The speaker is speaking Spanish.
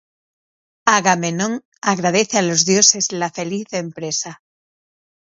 Agamenón agradece a los dioses la feliz empresa.